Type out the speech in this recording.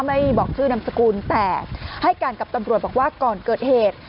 ไม่บอกชื่อนามสกุลแต่ให้การกับตำรวจบอกว่าก่อนเกิดเหตุ